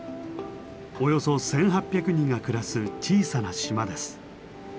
およそ１，８００人が暮らす小さな島です。